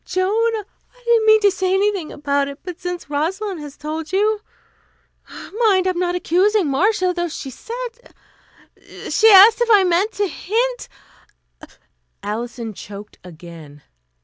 "Oh, Joan, I didn't mean to say anything about it, but since Rosalind has told you Mind, I'm not accusing Marcia, though she said she asked if I meant to hint " Alison choked again.